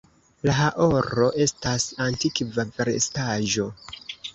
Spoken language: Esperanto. La haoro estas antikva vestaĵo.